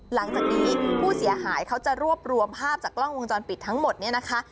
หลังจากนี้ผู้เสียหายเขาจะรวบรวมภาพจากกล้องวงจรปิดทั้งหมดเนี่ยนะคะ